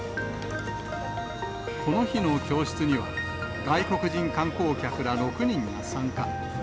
この日の教室には、外国人観光客ら６人が参加。